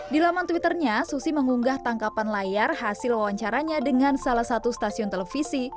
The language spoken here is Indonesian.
di laman twitternya susi mengunggah tangkapan layar hasil wawancaranya dengan salah satu stasiun televisi